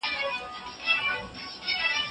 زړه مې په تیر حسن مین دی